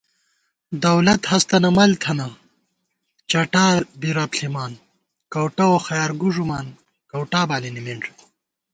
دولت ہستَنہ مل تھنہ، چٹا بی رب ݪِمان * کَؤٹہ ووخیار گُو ݫُمان، کَؤٹا بالی نِمِنݮ